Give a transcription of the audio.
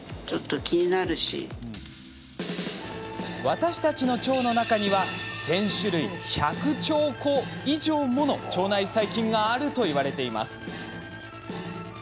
私たちの腸の中には１０００種類１００兆個以上もの腸内細菌があるといわれています。